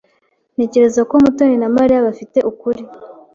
Ntekereza ko Mutoni na Mariya bafite ukuri.